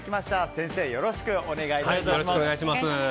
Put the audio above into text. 先生、よろしくお願いいたします。